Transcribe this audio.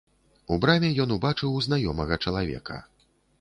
У браме ён убачыў знаёмага чалавека.